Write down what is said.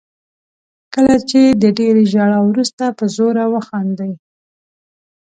کله چې د ډېرې ژړا وروسته په زوره وخاندئ.